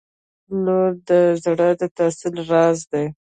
• لور د زړه د تسل راز دی.